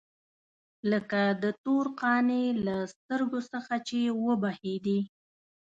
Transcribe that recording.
لکه د تور قانع له سترګو څخه چې وبهېدې.